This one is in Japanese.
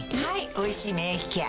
「おいしい免疫ケア」